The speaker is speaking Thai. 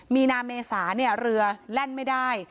มีนาเมษาเรือแล่นไม่ได้